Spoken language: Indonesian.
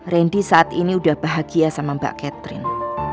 randy saat ini sudah bahagia sama mbak catherine